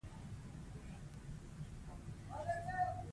روښانه راتلونکی زموږ په تمه دی.